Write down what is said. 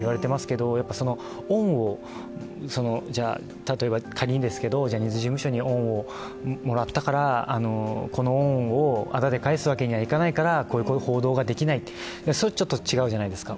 ただ、そんたくが働いたりとかっていう部分で、いわれてますけどその恩を例えば、仮にジャニーズ事務所に恩をもらったから、この恩をあだで返すわけにいかないからこういう報道ができない、それはちょっと違うじゃないですか。